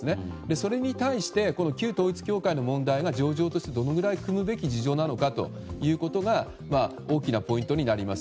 それに対して旧統一教会の問題が情状としてどのくらいくむべき事情なのかということが大きなポイントになります。